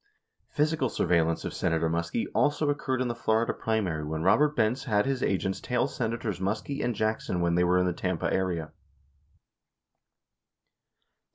58 Physical surveillance of Senator Muskie also occurred in the Florida primary when Robert Benz had his agents tail Senators Muskie and Jackson when they were in the Tampa area.